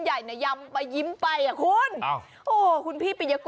แค่นั้นค่ะแต่ก็ไม่ถูกมานานมาก